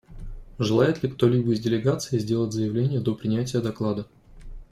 Желает ли кто-либо из делегаций сделать заявление до принятия доклада?